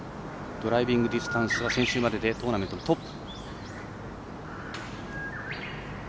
ドライビングディスンタンスは先週まででトーナメントトップ。